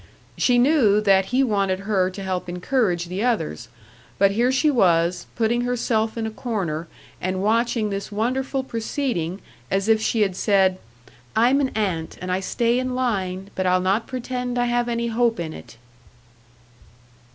She knew that he wanted her to help encourage the others; but here she was, putting herself in a corner and watching this wonderful proceeding, as if she had said: "I'm an ant, and I stay in line but I'll not pretend I have any hope in it!"